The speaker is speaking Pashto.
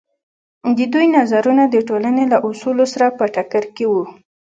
د دوی نظرونه د ټولنې له اصولو سره په ټکر کې وو.